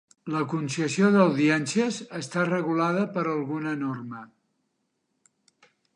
La concessió d'audiències està regulada per alguna norma.